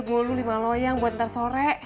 bolu lima loyang buat ntar sore